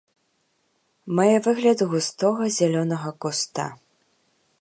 Мае выгляд густога зялёнага куста.